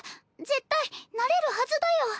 絶対なれるはずだよ。